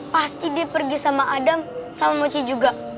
pasti dia pergi sama adam sama mochi juga